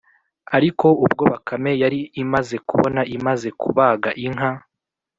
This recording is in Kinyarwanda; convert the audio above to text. ariko ubwo bakame yari imaze kubona imaze kubaga inka,